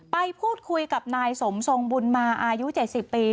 ไปพูดคุยกับนายสมทรงบุญมาอายุ๗๐ปี